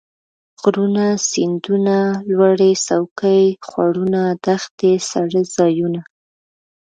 غرونه ،سيندونه ،لوړې څوکي ،خوړونه ،دښتې ،څړ ځايونه